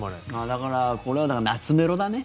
だからこれは懐メロだね。